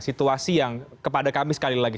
situasi yang kepada kami sekali lagi